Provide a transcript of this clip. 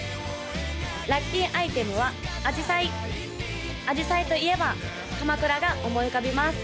・ラッキーアイテムは紫陽花紫陽花といえば鎌倉が思い浮かびます